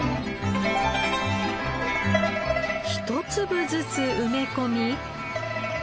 ひと粒ずつ埋め込み。